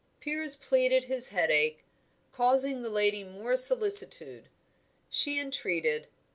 Piers pleaded his headache, causing the lady more solicitude. She entreated.